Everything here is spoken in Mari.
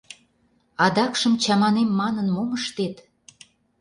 Адакшым, чаманем манын, мом ыштет?